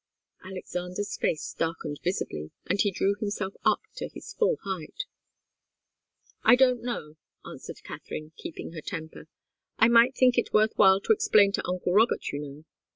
Alexander's face darkened visibly, and he drew himself up to his full height. "I don't know," answered Katharine, keeping her temper. "I might think it worth while to explain to uncle Robert, you know.